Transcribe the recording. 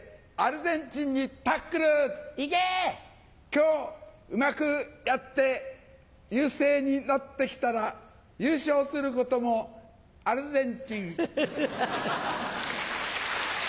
今日うまくやって優勢になってきたら優勝することもアルゼンチン。